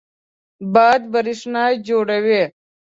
باد برېښنا جوړوي.